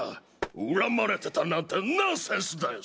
うらまれてたなんてナンセンスです。